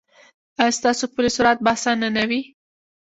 ایا ستاسو پل صراط به اسانه نه وي؟